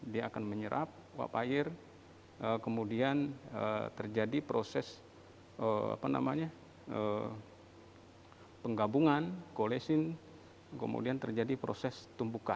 dia akan menyerap uap air kemudian terjadi proses penggabungan kolesin kemudian terjadi proses tumbukan